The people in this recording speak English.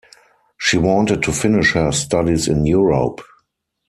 She wanted to finish her studies in Europe.